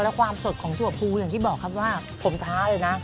และความสดของถั่วภูอย่างที่บอกครับว่าผมท้าเลยนะ